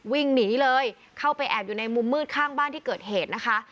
วิ่งหนีเลยเข้าไปแอบอยู่ในมุมมืดข้างบ้านที่เกิดเหตุนะคะ